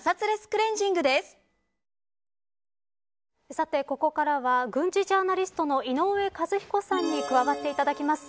さて、ここからは軍事ジャーナリストの井上和彦さんに加わっていただきます。